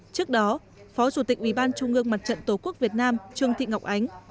trước đó phó chủ tịch ủy ban trung ương mặt trận tổ quốc việt nam trương thị ngọc ánh